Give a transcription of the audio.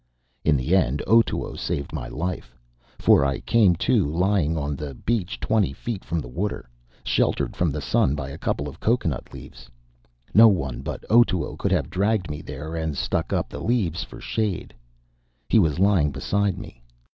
In the end, Otoo saved my life; for I came to lying on the beach twenty feet from the water, sheltered from the sun by a couple of cocoanut leaves. No one but Otoo could have dragged me there and stuck up the leaves for shade. He was lying beside me.